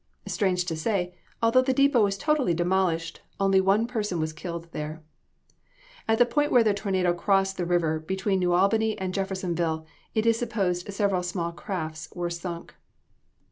Strange to say, although the depot was totally demolished, only one person was killed there. At the point where the tornado crossed the river, between New Albany and Jeffersonville, it is supposed several small crafts were sunk.